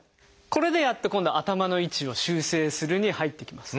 これでやっと今度「頭の位置を修正する」に入っていきます。